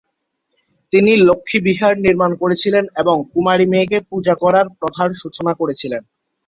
তিনি "লক্ষ্মী বিহার" নির্মাণ করেছিলেন এবং কুমারী মেয়েকে পূজা করার প্রথার সূচনা করেছিলেন।